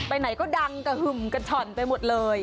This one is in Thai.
ไหนก็ดังกระหึ่มกระฉ่อนไปหมดเลย